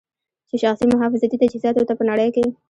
چې شخصي محافظتي تجهیزاتو ته په نړۍ کې